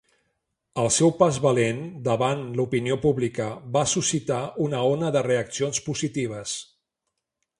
El seu pas valent davant l'opinió pública va suscitar una ona de reaccions positives.